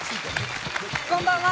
こんばんは。